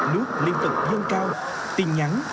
nước liên tục dâng cao tình nhắn